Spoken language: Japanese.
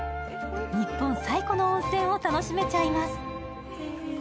日本最古の温泉を楽しめちゃいます。